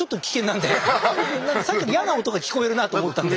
なんかさっき嫌な音が聞こえるなと思ったんで。